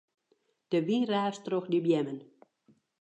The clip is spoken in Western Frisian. De wyn raast troch de beammen.